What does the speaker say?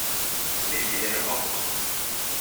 Бәтиләре ап-ак.